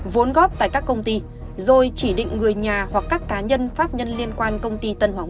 vốn góp tại các công ty rồi chỉ định người nhà hoặc các cá nhân pháp nhân liên quan công ty tân hoàng minh